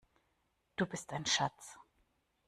Du bist ein Schatz!